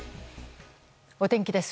お天気です。